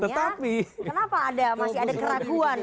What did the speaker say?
kenapa masih ada keraguan